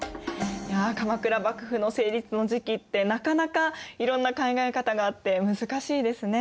いや鎌倉幕府の成立の時期ってなかなかいろんな考え方があって難しいですね。